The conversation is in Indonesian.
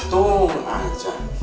nah untung aja